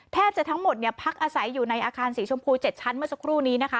แทบจะทั้งหมดพักอาศัยอยู่ในอาคารสีชมพู๗ชั้นเมื่อสักครู่นี้นะคะ